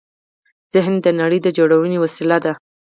ذهن د نړۍ د جوړونې وسیله ده.